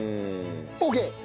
オーケー！